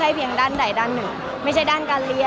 มันเป็นเรื่องน่ารักที่เวลาเจอกันเราต้องแซวอะไรอย่างเงี้ย